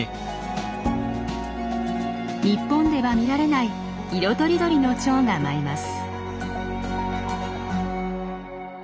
日本では見られない色とりどりのチョウが舞います。